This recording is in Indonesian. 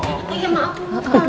ini sama aku